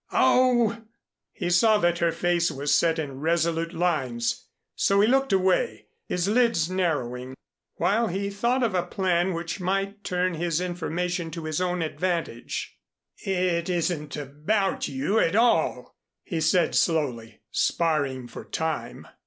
"Oh!" He saw that her face was set in resolute lines, so he looked away, his lids narrowing, while he thought of a plan which might turn his information to his own advantage. "It isn't about you at all," he said slowly, sparring for time.